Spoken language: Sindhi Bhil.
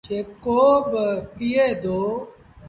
جيڪو با پيٚئي دو ۔